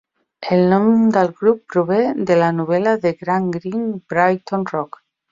El nom del grup prové de la novel·la d'en Graham Greene "Brighton Rock".